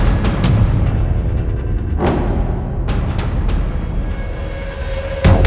sebagai pembawa ke dunia